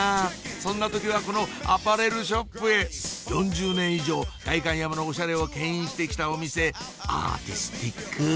そんな時はこのアパレルショップへ４０年以上代官山のおしゃれをけん引してきたお店アーティスティック！